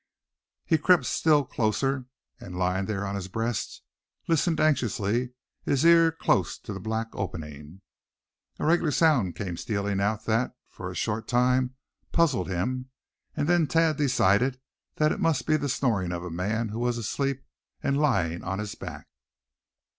He crept still closer, and lying there on his breast, listened anxiously, his ear close to the black opening. A regular sound came stealing out that, for a short time, puzzled him; and then Thad decided that it must be the snoring of a man who was asleep, and lying on his back.